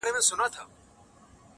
ته خو ډیوه یې سترګه ووهه رڼا شه کنه